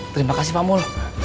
terima kasih pamul